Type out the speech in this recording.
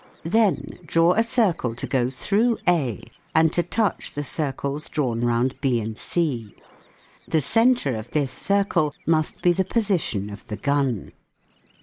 Then draw a circle to go SOUND IN WAR 187 through A and to touch the circles drawn round B and C. The centre of this circle must be the position of the gun.